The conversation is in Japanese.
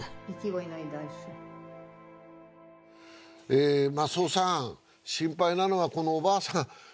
ええ増尾さん心配なのはこのおばあさん